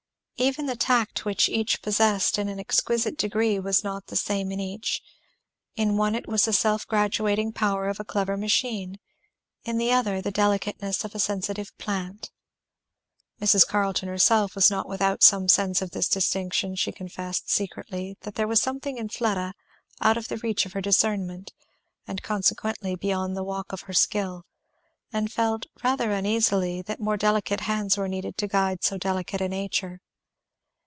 Even the tact which each possessed in an exquisite degree was not the same in each; in one it was the self graduating power of a clever machine, in the other, the delicateness of the sensitive plant. Mrs. Carleton herself was not without some sense of this distinction; she confessed, secretly, that there was something in Fleda out of the reach of her discernment, and consequently beyond the walk of her skill; and felt, rather uneasily, that more delicate hands were needed to guide so delicate a nature.